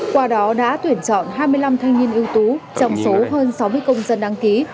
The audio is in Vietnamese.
qua đó đã tuyển chọn hai mươi năm thanh niên ưu tú trong số hơn sáu mươi công dân đăng ký